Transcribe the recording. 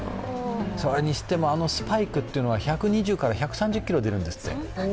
それにしても、あのスパイクって１２０１３０キロ出るんですって。